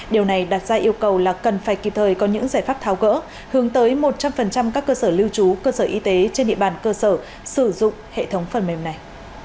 điều này đặt ra yêu cầu là cần phải kịp thời có những giải pháp tháo gỡ hướng tới một trăm linh các cơ sở lưu trú cơ sở y tế trên địa bàn cơ sở sử dụng hệ thống phần mềm này